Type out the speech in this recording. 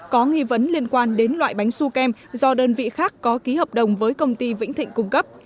có nghi vấn liên quan đến loại bánh su kem do đơn vị khác có ký hợp đồng với công ty vĩnh thịnh cung cấp